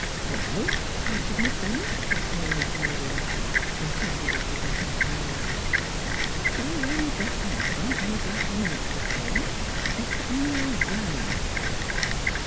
*' Well? " prompted Miss Bennett, easting her apron over her head in tardy recognition of her neuralgia. *' Shall I wear m' best hair front an' m' black Henrietta for 'em, er put on m' ol' brown?